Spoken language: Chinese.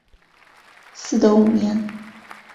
嗣德五年。